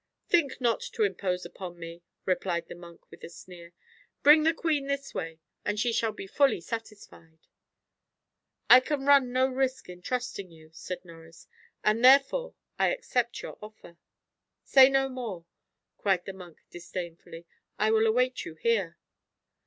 "Think not to impose upon me," replied the monk with a sneer. "Bring the queen this way, and she shall be fully satisfied." "I can run no risk in trusting you," said Norris, "and therefore I accept your offer." "Say no more," cried the monk disdainfully, "I will await you here."